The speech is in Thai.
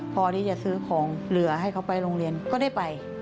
พอที่จะซื้อของเหลือให้เขาไปโรงเรียนก็ได้ไป